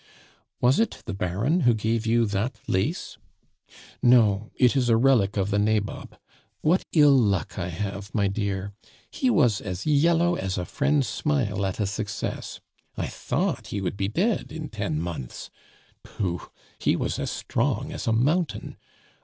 "Was it the Baron who gave you that lace?" "No, it is a relic of the nabob. What ill luck I have, my dear! He was as yellow as a friend's smile at a success; I thought he would be dead in ten months. Pooh! he was a strong as a mountain.